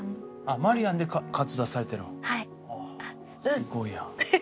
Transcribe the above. すごいやん。